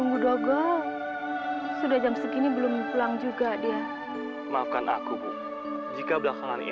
sudahlah bu aku yakin kita bisa berkumpul seperti dulu lagi